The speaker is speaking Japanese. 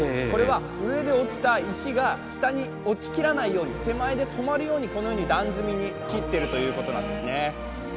これは上で落ちた石が下に落ちきらないように手前で止まるように、このように段組みに切っているということなんですね。